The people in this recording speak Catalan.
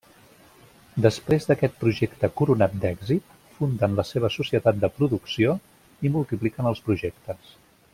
Després d'aquest projecte coronat d'èxit, funden la seva societat de producció, i multipliquen els projectes.